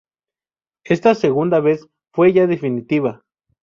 Ésta segunda vez fue ya definitiva.